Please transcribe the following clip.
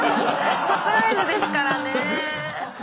サプライズですからね。